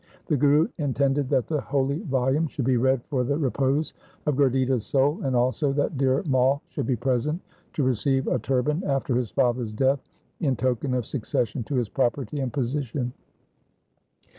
The Guru in tended that the holy volume should be read for the repose of Gurditta's soul, and also that Dhir Mai should be present to receive a turban after his father's death in token of succession to his property and position.